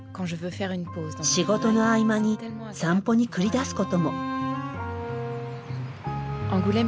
仕事の合間に散歩に繰り出すことも。